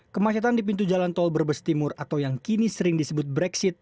kemacetan di pintu jalan tol brebes timur atau yang kini sering disebut brexit